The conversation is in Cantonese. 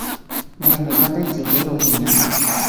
你係咪覺得自己好型吖？